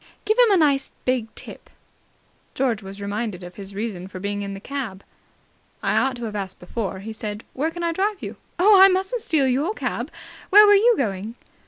"Give him a nice big tip." George was reminded of his reason for being in the cab. "I ought to have asked before," he said. "Where can I drive you?" "Oh, I mustn't steal your cab. Where were you going?"